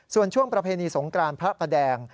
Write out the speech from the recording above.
ส่วนช่วงประเพณีสงกรานพระประแดง